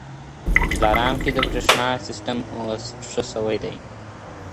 په دلارام کي د برښنا سیستم اوس ښه سوی دی.